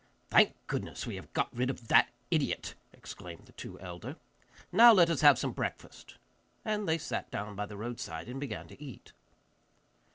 'Thank goodness we have got rid of that idiot,' exclaimed the two elder. 'Now let us have some breakfast.' And they sat down by the roadside and began to eat.